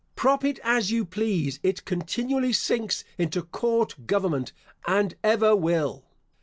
Prop it as you please, it continually sinks into court government, and ever will.